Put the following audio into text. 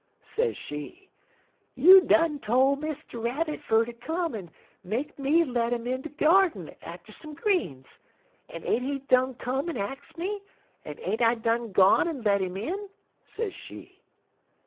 sez she, 'you done tole Mr. Rabbit fer ter come and make me let 'im in de gyardin atter some greens, en ain't he done come en ax me, en ain't I done gone en let 'im in?' sez she.